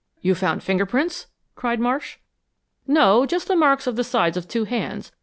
"You found fingerprints?" cried Marsh. "No, just the marks of the sides of two hands.